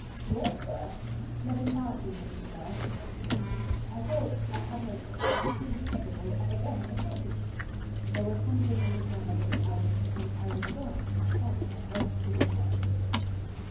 Walk first; let him pass you, Mrs. Blair." I felt I had no choice. He was capable of again assaulting me. There was something in his manner that cowed me, and I was obliged in spite of myself to give way.